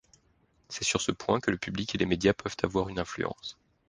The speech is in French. C'est sur ce point que le public et les médias peuvent avoir une influence.